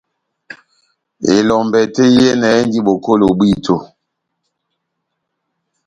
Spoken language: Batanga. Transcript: Elombɛ tɛ́h yehenɛ endi bokolo bwito.